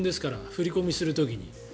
振り込みする時に。